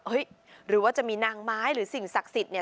หรือว่าจะมีนางไม้หรือสิ่งศักดิ์สิทธิ์เนี่ย